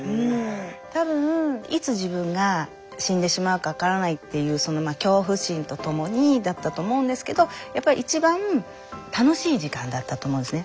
多分いつ自分が死んでしまうか分からないっていう恐怖心とともにだったと思うんですけどやっぱり一番楽しい時間だったと思うんですね。